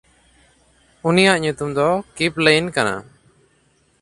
ᱩᱱᱤᱭᱟᱜ ᱧᱩᱛᱩᱢ ᱫᱚ ᱠᱤᱯᱞᱟᱹᱭᱤᱱ ᱠᱟᱱᱟ᱾